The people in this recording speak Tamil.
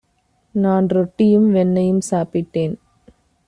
நான் ரொட்டியும் வெண்ணையும் சாப்பிட்டேன்.